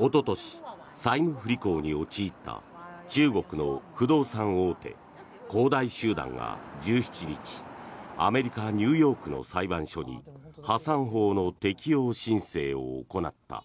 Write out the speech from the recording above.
おととし、債務不履行に陥った中国の不動産大手恒大集団が１７日アメリカ・ニューヨークの裁判所に破産法の適用申請を行った。